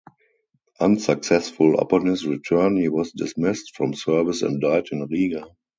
Unsuccessful, upon his return he was dismissed from service and died in Riga.